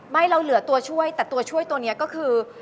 เราเหลือตัวช่วยแต่ตัวช่วยตัวนี้ก็คือ